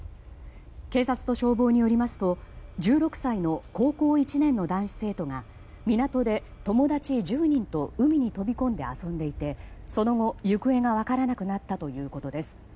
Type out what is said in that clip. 警察と消防によりますと１６歳の高校１年の男子生徒が港で友達１０人と海に飛び込んで遊んでいてその後、行方が分からなくなったということです。